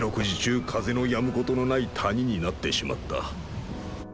時中風のやむ事のない谷になってしまった。